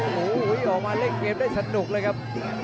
โอ้โหออกมาเล่นเกมได้สนุกเลยครับ